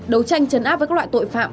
đấu tranh chấn áp với các loại tội phạm